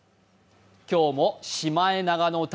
今日も「シマエナガの歌」